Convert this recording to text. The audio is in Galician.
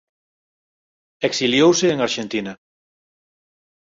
Exiliouse en Arxentina.